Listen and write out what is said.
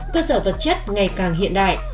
cơ sở vật chất ngày càng hiện đại